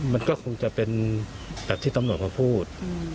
มันก็คงจะเป็นแบบที่ต้องหน่อยพอพูด